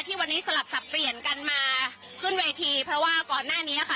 วันนี้สลับสับเปลี่ยนกันมาขึ้นเวทีเพราะว่าก่อนหน้านี้ค่ะ